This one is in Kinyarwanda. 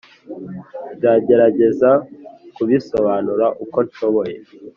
nzagerageza kubisobanura uko nshoboye.